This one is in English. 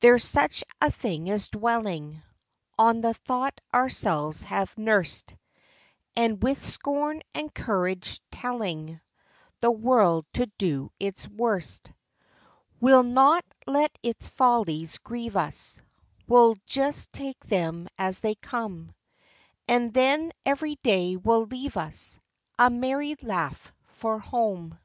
There's such a thing as dwelling On the thought ourselves have nursed, And with scorn and courage telling The world to do its worst. We 'll not let its follies grieve us, We 'll just take them as they come ; And then every day will leave us A merry laugh for home.